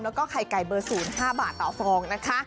แล้วก็ไข่ไก่เบอร์๐๕บาทต่อฟองนะคะ